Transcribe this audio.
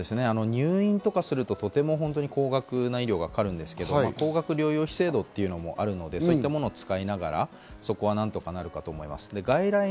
入院とかすると、とても高額な医療費がかかるんですけど高額療養費制度もあるので、そういったものを使いながら、そこは何とかと思います。